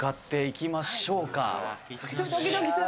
「ドキドキする！」